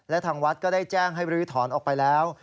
และทางวัดก็ได้แจ้งให้บรื้อถอนออกไปแล้ว